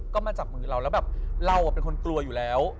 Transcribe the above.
ก็มาจับมือเราแล้วแบบเราเป็นคนกลัวอยู่แล้ว